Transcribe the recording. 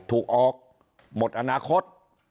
ถูกออกหมดอนาคต